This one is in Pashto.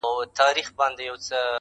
چي په لاره کي څو ځلي سوله ورکه.!